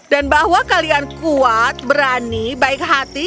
dan bahwa kalian kuat berani baik hati